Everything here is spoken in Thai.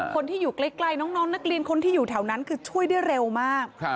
คนที่อยู่ใกล้น้องนักเรียนคนที่อยู่แถวนั้นคือช่วยได้เร็วมาก